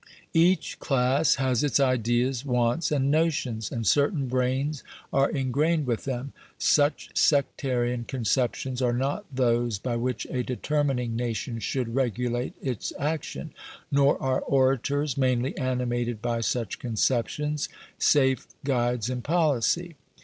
Each class has its ideas, wants, and notions; and certain brains are ingrained with them. Such sectarian conceptions are not those by which a determining nation should regulate its action, nor are orators, mainly animated by such conceptions, safe guides in policy.